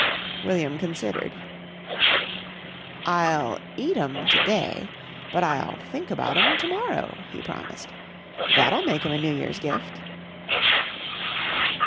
William considered. "I'll eat 'em to day but I'll think about 'em to morrow," he promised. "That'll make 'em a New Year's gift."